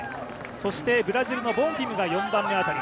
そしてブラジルのボンフィムが４番目辺り。